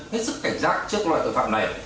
hết sức cảnh giác trước loại tội phạm này